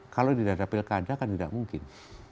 kalau di dada pilkada kan tidak mungkin